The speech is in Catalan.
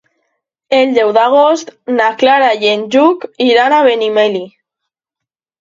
El deu d'agost na Clara i en Lluc iran a Benimeli.